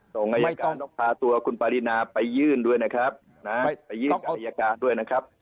อายการต้องพาตัวคุณปารินาไปยื่นด้วยนะครับนะไปยื่นกับอายการด้วยนะครับ